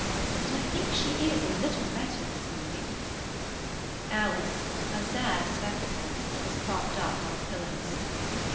But I think she is a little better this morning." Alice—a sad spectacle—was propped up on pillows.